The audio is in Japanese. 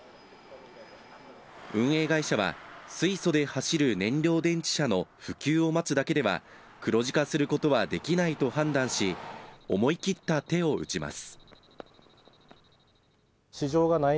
運営会社は水素で走る燃料電池車の普及を待つだけでは黒字化することはできないと判断し思い切った手を打ちます。